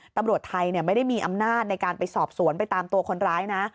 ตำรวจไทยไม่ได้มีอำนาจในการไปสอบสวนไปตามตัวคนร้ายนะ